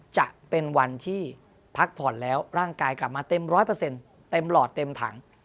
จะเป็นวันที่พักผ่อนแล้วร่างกายกลับมาเต็มร้อยเปอร์เซ็นต์เต็มหลอดเต็มถัง